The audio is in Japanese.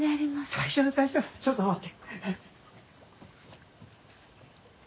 大丈夫大丈夫ちょっと待って。